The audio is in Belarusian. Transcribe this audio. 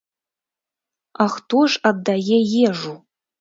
А хто ж аддае ежу?